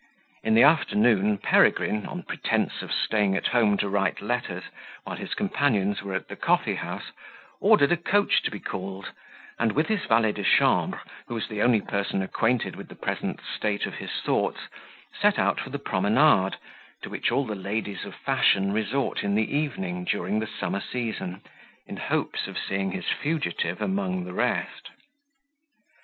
In the afternoon, Peregrine, on pretence of staying at home to write letters, while his companions were at the coffee house, ordered a coach to be called, and, with his valet de chambre, who was the only person acquainted with the present state of his thoughts, set out for the promenade, to which all the ladies of fashion resort in the evening during the summer season, in hopes of seeing his fugitive among the rest.